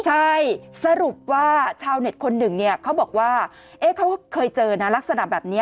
ใช่สรุปว่าชาวเน็ตคนหนึ่งเขาบอกว่าเขาเคยเจอนะลักษณะแบบนี้